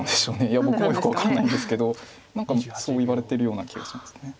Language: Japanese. いや僕もよく分かんないんですけど何かそういわれてるような気がします。